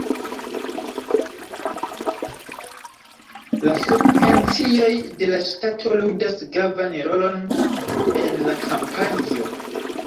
La subvencioj de la ŝtato ludas gravan rolon en la kampanjo.